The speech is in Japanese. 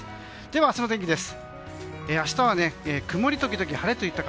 では、明日の天気です。